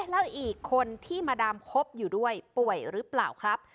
แล้วอีกคนที่มาดามคบอยู่ด้วยป่วยหรือเปล่าครับ